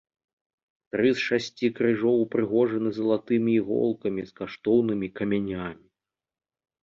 Тры з шасці крыжоў упрыгожаны залатымі іголкамі з каштоўнымі камянямі.